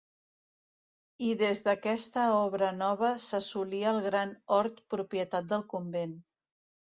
I des d'aquesta Obra Nova s'assolia el gran hort propietat del convent.